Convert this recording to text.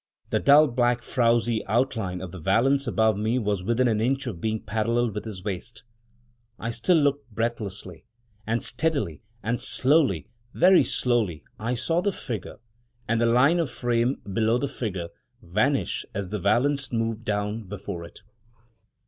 The dull, black, frowzy outline of the valance above me was within an inch of being parallel with his waist. I still looked breathlessly. And steadily and slowly — very slowly — I saw the figure, and the line of frame below the figure, vanish, as the valance moved down before it.